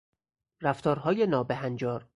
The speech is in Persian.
رفتارهای نابههنجار